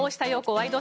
ワイド！